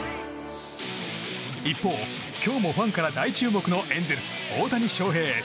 一方、今日もファンから大注目のエンゼルス、大谷翔平。